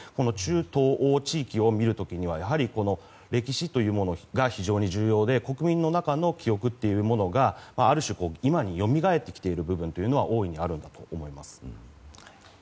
中東欧地域を見るとやはり歴史というものが非常に重要で国民の中の記憶というのがある種、今によみがえってきている部分はあるんだと思います。